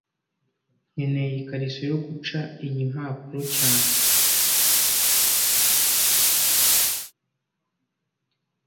Nkeneye ikariso yo guca iyi mpapuro cyane